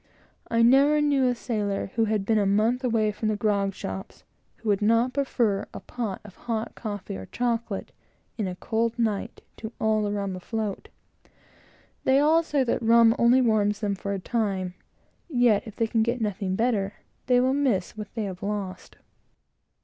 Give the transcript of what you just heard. I never knew a sailor, in my life, who would not prefer a pot of hot coffee or chocolate, in a cold night, to all the rum afloat. They all say that rum only warms them for a time; yet, if they can get nothing better, they will miss what they have lost.